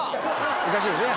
おかしいですね。